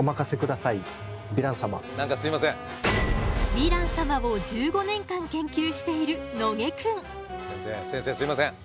ヴィラン様を１５年間研究している先生すいません。